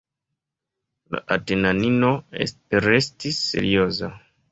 La atenanino restis serioza.